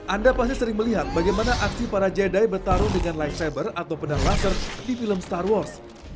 anda pasti sering melihat bagaimana aksi para jedi bertarung dengan live cyber atau pedang laser di film star wars